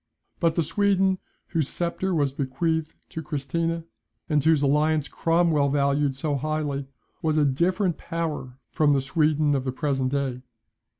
But the Sweden, whose sceptre was bequeathed to Christina, and whose alliance Cromwell valued so highly, was a different power from the Sweden of the present day.